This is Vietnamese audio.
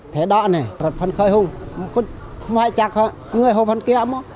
thế đó này phấn khởi không không phải chắc người hồ văn kỷa không